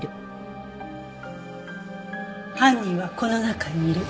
犯人はこの中にいる。